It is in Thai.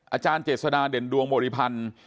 อาจารย์เจษฎาเด่นดวงบริพันธ์